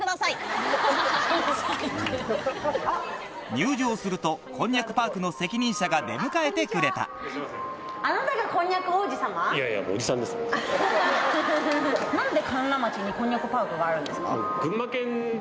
入場するとこんにゃくパークの責任者が出迎えてくれた日本一なんだ。